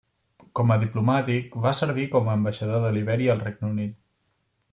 Com a diplomàtic, va servir com a ambaixador de Libèria al Regne Unit.